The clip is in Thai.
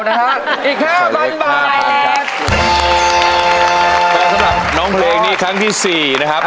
แต่สำหรับน้องเพลงนี้ครั้งที่สี่นะครับ